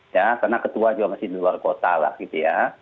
ya karena ketua juga masih di luar kota lah gitu ya